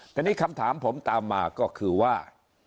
แต่นี่คำถามผมตามมาก็คือว่า